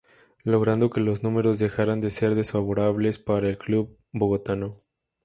Logrando que los números dejaran de ser desfavorables para el club bogotano.